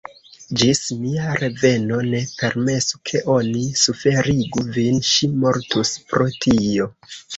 Ĝis mia reveno, ne permesu ke oni suferigu vin: ŝi mortus pro tio!